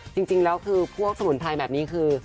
จริงแล้วคือพวกสมุนไพรแบบนี้คือ